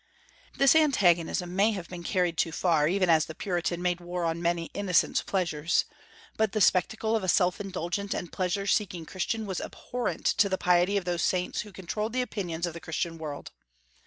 This antagonism may have been carried too far, even as the Puritan made war on many innocent pleasures; but the spectacle of a self indulgent and pleasure seeking Christian was abhorrent to the piety of those saints who controlled the opinions of the Christian world.